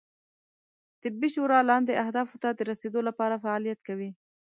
طبي شورا لاندې اهدافو ته رسیدو لپاره فعالیت کوي